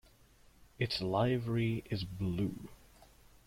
Its livery is blue.